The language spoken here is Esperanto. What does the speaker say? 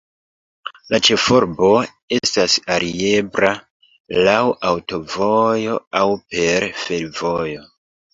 La ĉefurbo estas alirebla laŭ aŭtovojo aŭ per fervojo.